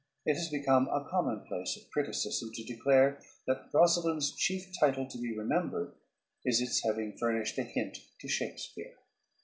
It has become a commonplace of criticism to declare that "Rosalynde's" chief title to be remembered is its having furnished a hint to Shakespeare.